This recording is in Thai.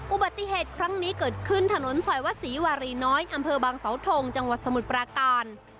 อุบัติเหตุครั้งนี้เกิดขึ้นถนนซอยวัดศรีวารีน้อยอำเภอบางเสาทงจังหวัดสมุทรปราการ